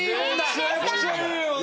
めちゃくちゃいい問題。